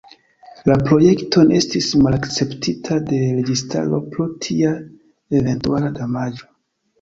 La projekton estis malakceptita de registaro pro tia eventuala damaĝo.